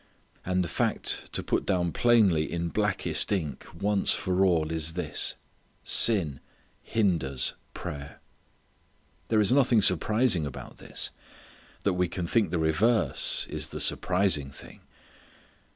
And the fact to put down plainly in blackest ink once for all is this sin hinders prayer. There is nothing surprising about this. That we can think the reverse is the surprising thing.